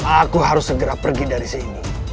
aku harus segera pergi dari sini